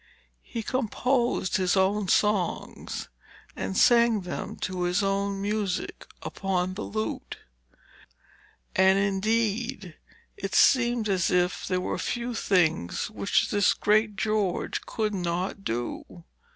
He composed his own songs and sang them to his own music upon the lute, and indeed it seemed as if there were few things which this Great George could not do.